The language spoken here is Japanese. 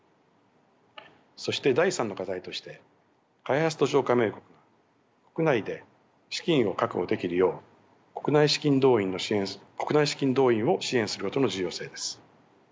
そして第３の課題として開発途上加盟国が国内で資金を確保できるよう国内資金動員を支援することの重要性です。